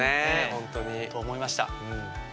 ほんとに。と思いました。